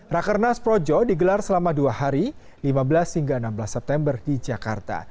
rakernas projo digelar selama dua hari lima belas hingga enam belas september di jakarta